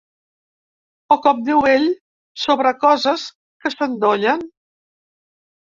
O, com diu ell, ‘sobre coses que s’endollen’.